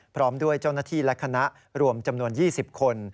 พร้อมด้วยเจ้าหน้าที่และคณะรวมจำนวน๒๐คน